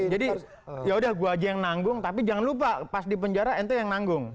jadi ya udah gue aja yang nanggung tapi jangan lupa pas di penjara itu yang nanggung